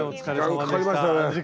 時間かかりましたね。